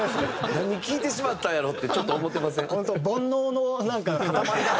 何聞いてしまったんやろってちょっと思ってません？